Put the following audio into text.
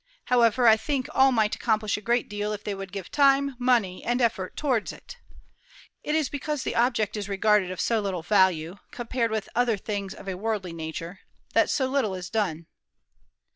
However, I think all might accomplish a great deal if they would give time, money, and effort towards it. It is because the object is regarded of so little value, compared with other things of a worldly nature, that so little is done."